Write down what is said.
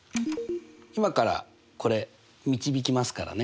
今からこれ導きますからね。